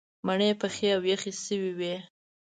مڼې پخې او یخې شوې وې.